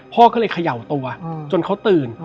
พ่อก็เลยเขย่าตัวจนเขาตื่น